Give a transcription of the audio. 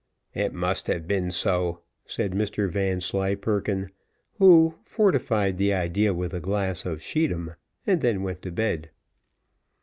"It must have been so," said Mr Vanslyperken, who fortified the idea with a glass of scheedam, and then went to bed.